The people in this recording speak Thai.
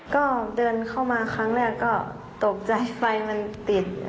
ก็เดินเข้ามาครั้งแรกก็ตกใจไฟมันติด